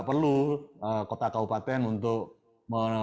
perlu kota kawupaten untuk membangun